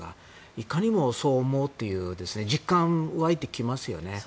いかにもそう思うという実感が湧いてきますよね。